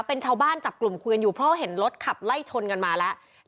เป็นชาวบ้านจับกลุ่มคุยกันอยู่เพราะเห็นรถขับไล่ชนกันมาแล้ว